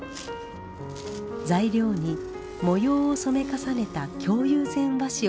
材料に模様を染め重ねた京友禅和紙を用いました。